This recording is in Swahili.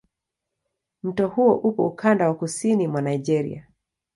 Mto huo upo ukanda wa kusini mwa Nigeria.